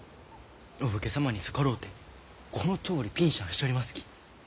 お武家様に逆ろうてこのとおりピンシャンしちょりますき。